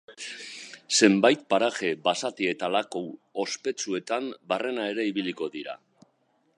Zenbait paraje basati eta laku ospetsuetan barrena ere ibiliko dira.